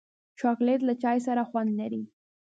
چاکلېټ له چای سره خوند لري.